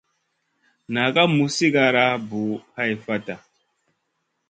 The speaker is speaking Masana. Naʼ ka muz sigara buʼu hai fata.